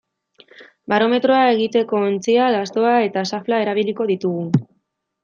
Barometroa egiteko ontzia, lastoa eta xafla erabiliko ditugu.